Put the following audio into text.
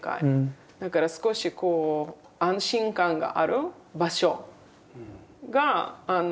だから少しこう安心感がある場所が作れる。